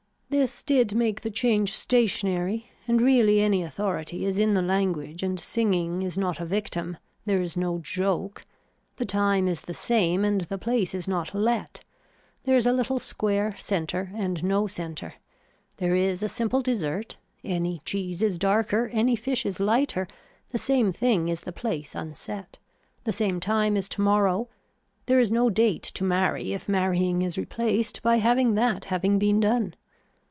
This did make the change stationary and really any authority is in the language and singing is not a victim, there is no joke, the time is the same and the place is not let, there is a little square center and no center, there is a simple dessert, any cheese is darker, any fish is lighter, the same thing is the place unset, the same time is tomorrow, there is no date to marry if marrying is replaced by having that having been done.